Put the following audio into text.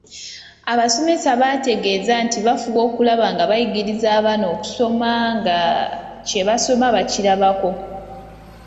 Abasomesa baategeeza nti bafuba okulaba nga bayigiriza abaana okusoma nga kye basoma bakirabako.